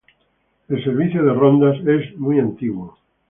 El servicio de rondas es muy antiguo.